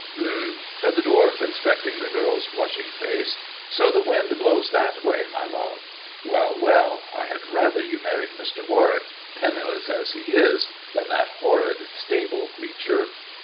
" H'm," said the dwarf, inspecting the girl's blushi face, " so the wind blows that way, my love. Well, w I had rather you married Mr. Warwick, penniless as he than that horrid stable creature."